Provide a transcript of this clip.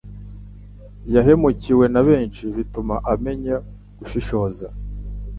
Yahemukiwe nabenshi bituma amenya gushishoza.